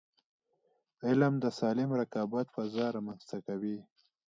علم د سالم رقابت فضا رامنځته کوي.